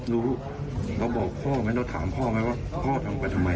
เราบอกพ่อไหมเราถามพ่อไหมว่าพ่อทำไปทำไม